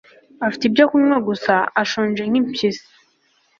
Afite ibyo kunywa gusa ashonje nk impyisi